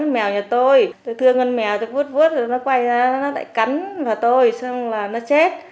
mèo tôi vút vút rồi nó quay ra nó lại cắn vào tôi xong là nó chết